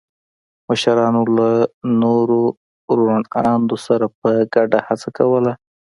مشرانو له نورو روڼ اندو سره په ګډه هڅه کوله.